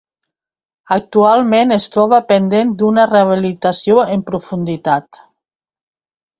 Actualment es troba pendent d'una rehabilitació en profunditat.